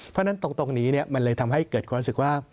เพราะฉะนั้นตรงนี้มันเลยทำให้เกิดความรู้สึกว่า